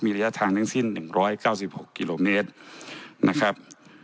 ระยะทางทั้งสิ้น๑๙๖กิโลเมตรนะครับ